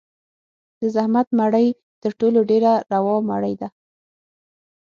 د زحمت مړۍ تر ټولو ډېره روا مړۍ ده.